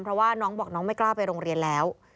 เพราะว่าน้องบอกน้องไม่กล้าไปโรงเรียนแล้ว